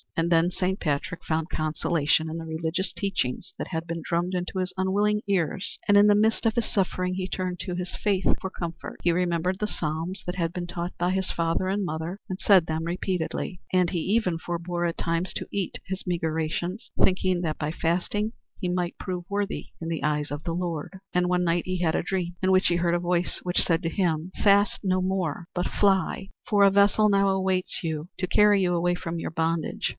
And then Saint Patrick found consolation in the religious teachings that had been drummed into his unwilling ears, and in the midst of his suffering he turned to his faith for comfort. He remembered the psalms that had been taught by his father and mother and said them repeatedly, and he even forbore at times to eat his meagre rations, thinking that by fasting he might prove worthy in the eyes of the Lord. And one night he had a dream in which he heard a voice, which said to him: "Fast no more, but fly, for a vessel now awaits you to carry you away from your bondage.